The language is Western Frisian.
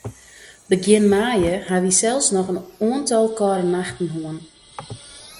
Begjin maaie ha wy sels noch in oantal kâlde nachten hân.